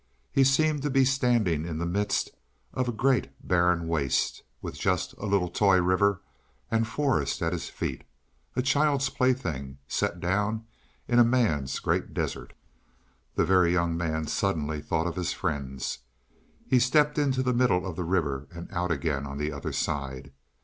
He seemed to be standing in the midst of a great barren waste, with just a little toy river and forest at his feet a child's plaything, set down in a man's great desert. The Very Young Man suddenly thought of his friends. He stepped into the middle of the river and out again on the other side.